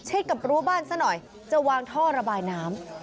กับรั้วบ้านซะหน่อยจะวางท่อระบายน้ำ